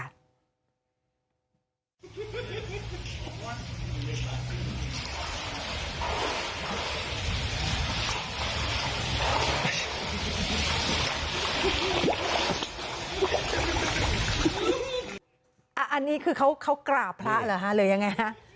อันนี้คือเขากล่าพระหรือหรือยังไงครับ